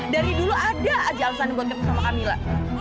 dari dulu ada aja alesan buat ketemu sama kamila